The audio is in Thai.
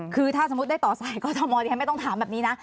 คือถ้าสมมติได้ต่อสายก็ทำวนอย่างงี้ไม่ต้องถามแบบนี้น่ะ